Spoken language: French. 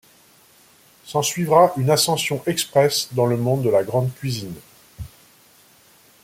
S’en suivra une ascension express dans le monde de la grande cuisine.